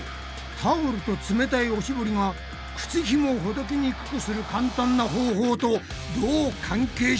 タオルと冷たいおしぼりが靴ひもをほどけにくくする簡単な方法とどう関係しているんだ？